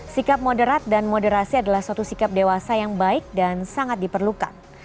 sikap moderat dan moderasi adalah suatu sikap dewasa yang baik dan sangat diperlukan